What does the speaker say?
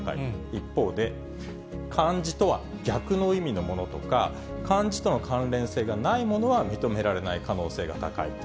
一方で、漢字とは逆の意味のものとか、漢字との関連性がないものは認められない可能性が高いと。